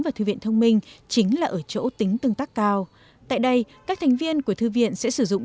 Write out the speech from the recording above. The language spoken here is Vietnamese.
và thư viện thông minh chính là ở chỗ tính tương tác cao tại đây các thành viên của thư viện sẽ sử dụng